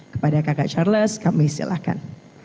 kepada kakak charles kami silakan